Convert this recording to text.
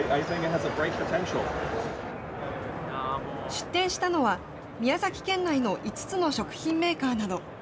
出展したのは、宮崎県内の５つの食品メーカーなど。